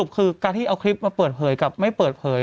คือการที่เอาคลิปมาเปิดเผยกับไม่เปิดเผย